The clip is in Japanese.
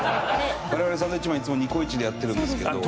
我々サンドウィッチマンいつもニコイチでやってるんですけど。